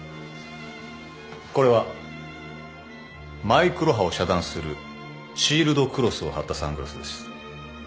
これはマイクロ波を遮断するシールドクロスを張ったサングラスです。